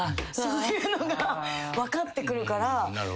そういうのが分かってくるから。